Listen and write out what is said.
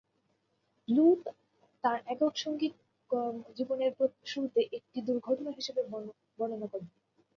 Blue তার একক সঙ্গীত কর্মজীবনের শুরুকে একটি দুর্ঘটনা হিসেবে বর্ণনা করেন।